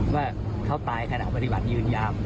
ว่าเขาตายขนาดบริหวัดยืนยาม